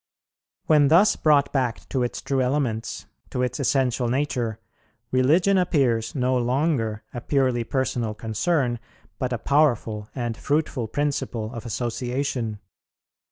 "When thus brought back to its true elements, to its essential nature, religion appears no longer a purely personal concern, but a powerful and fruitful principle of association.